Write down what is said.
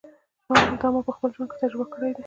دا ما په خپل ژوند کې تجربه کړې ده.